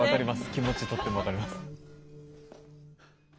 気持ちとっても分かります。